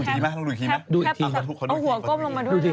เอาหัวก้มลงมาด้วยเลย